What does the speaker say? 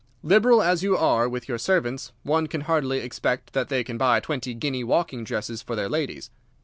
Liberal as you are with your servants, one can hardly expect that they can buy twenty guinea walking dresses for their ladies.